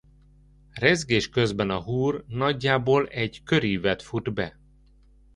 Rezgés közben a húr nagyjából egy körívet fut be.